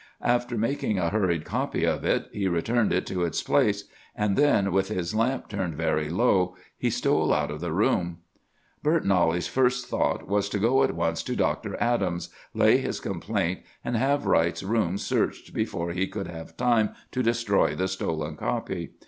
After making a hurried copy of it, he returned it to its place; and then, with his lamp turned very low, he stole out of the room. "Bert Knollys's first thought was to go at once to Doctor Adams, lay his complaint, and have Wright's room searched before he could have time to destroy the stolen copy.